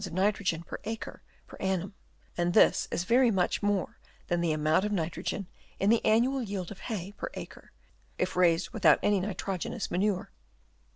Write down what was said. "of nitrogen per acre per annum ; and this " is very much more than the amount of " nitrogen in the annual yield of hay per acre, if raised without any nitrogenous manure.